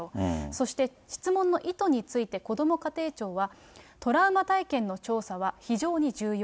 そして質問の意図について、こども家庭庁は、トラウマ体験の調査は非常に重要。